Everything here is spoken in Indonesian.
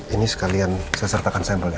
ini sekalian sesertakan sampelnya